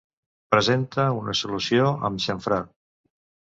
Presenta una solució en xamfrà.